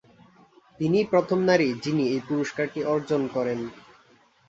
তিনিই প্রথম নারী যিনি এই পুরস্কারটি অর্জন করেন।